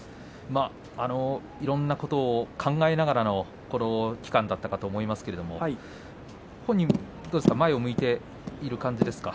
いろんなことを考えながらのこの期間だったかと思いますけれども本人が前を向いている感じですか。